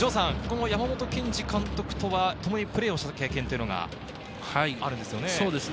城さん、山本健二監督とはともにプレーをした経験が、あるんですよね。